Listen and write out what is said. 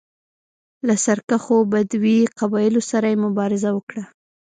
له سرکښو بدوي قبایلو سره یې مبارزه وکړه